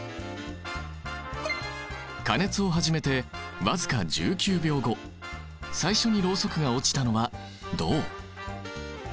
加熱を始めて僅か１９秒後最初にロウソクが落ちたのは銅。